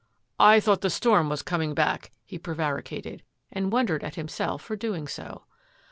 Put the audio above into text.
" I thought the storm was coming back," he prevaricated, and wondered at himself for doing so.